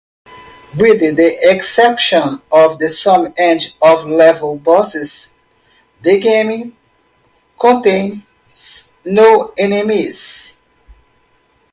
With the exception of some end-of-level bosses, the game contains no enemies.